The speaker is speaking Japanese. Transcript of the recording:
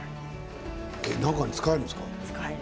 なんかに使えるんですか？